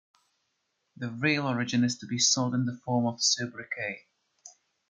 The real origin is to be sought in the form "soubriquet".